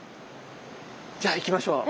じゃあ行きましょう。